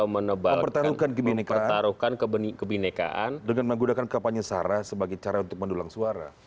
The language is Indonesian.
menajamkan atau menebalkan mempertaruhkan kebenekaan dengan menggunakan kampanye sarah sebagai cara untuk mendulang suara